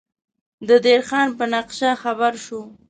د دیر خان په نقشه خبر شو.